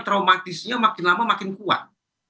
traumatisnya makin lama makin kuat